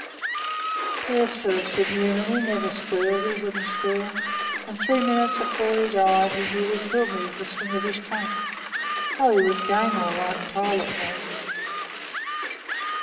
"Yes, sir," said Newman; "he never squealed, he wouldn't squeal, and three minutes before he died he nearly killed me with a swing of his trunk. Oh, he was game all right, Pilot was."